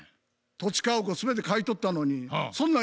「土地家屋全て買い取ったのにそんなん